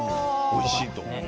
おいしいと。